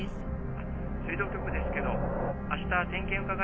☎あっ水道局ですけどあした点検伺いますね